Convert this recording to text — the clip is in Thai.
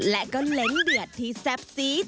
และก็เล้นเดือดที่แซ่บซีด